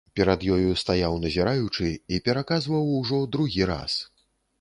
Перад ёю стаяў назіраючы і пераказваў ужо другі раз.